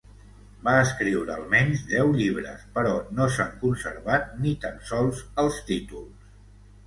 Va escriure almenys deu llibres però no s'han conservat ni tan sols els títols.